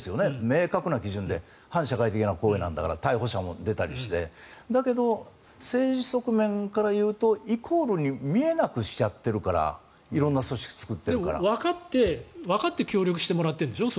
明確な基準で反社会的な行為なんだから逮捕者も出たりしてだけど、政治側面からいうとイコールに見えなくしちゃっているからわかって協力してもらっているんでしょ